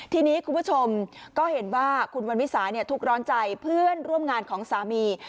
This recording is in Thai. ทีนี้คุณผู้ชมก็เห็นว่าคุณวันวิสาทุกข์ร้อนใจเพื่อนร่วมงานของสามี